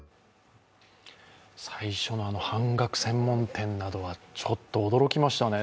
最初の半額専門店などはちょっと驚きましたね。